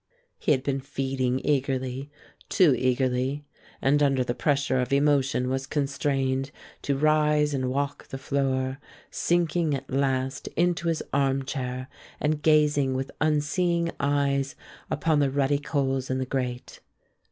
He had been feeding eagerly, too eagerly, and under the pressure of emotion was constrained to rise and walk the floor, sinking at last into his armchair and gazing with unseeing eyes upon the ruddy coals in the grate.